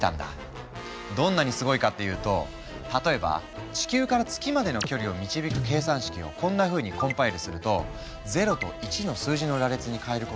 どんなにすごいかっていうと例えば地球から月までの距離を導く計算式をこんなふうにコンパイルすると０と１の数字の羅列に変えることに成功。